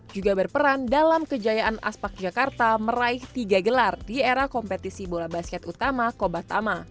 juga berperan dalam kejayaan aspek jakarta meraih tiga gelar di era kompetisi bola basket utama kobatama